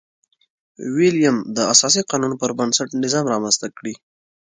ویلیم د اساسي قانون پربنسټ نظام رامنځته کړي.